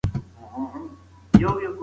که دوات وي نو قلم نه وچیږي.